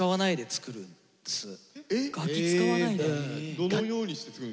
どのようにして作るんですか？